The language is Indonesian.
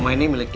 mama kak iko